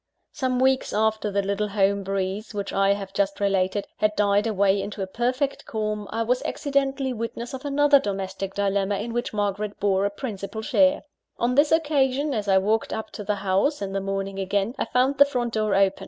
Some weeks after the little home breeze which I have just related, had died away into a perfect calm, I was accidentally witness of another domestic dilemma in which Margaret bore a principal share. On this occasion, as I walked up to the house (in the morning again), I found the front door open.